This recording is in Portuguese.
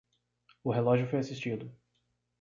O relógio foi assistido.